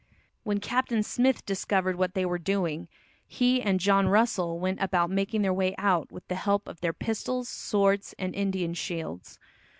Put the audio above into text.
When Captain Smith discovered what they were doing, he and John Russell went about making their way out with the help of their pistols, swords and Indian shields.